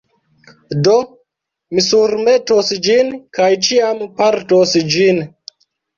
Do mi surmetos ĝin, kaj ĉiam portos ĝin.